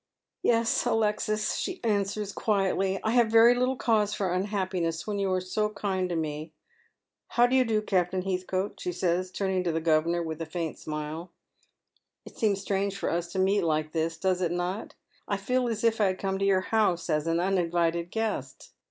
" Yes, Alexis," she answers, quietly, " I have very little cause for unhapi>iness when you are so kind to me. How do you do» Captain Heathcote?" she says, turning to the governor with a faint smile. " It seems strange for us to meet like tliis, does it not ? I feel as if I had come to your house as an uninvited guest."